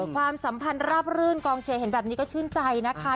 ความสัมพันธ์ราบรื่นกองเชียร์เห็นแบบนี้ก็ชื่นใจนะคะ